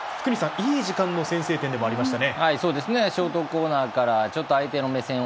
いい時間帯の先制点でもありましたね。